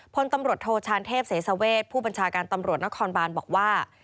พลตำรวจโทชานเทพเสสเวชผู้บัญชาการตำรวจนครบานบอกว่า